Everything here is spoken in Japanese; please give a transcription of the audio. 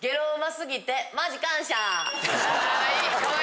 かわいい！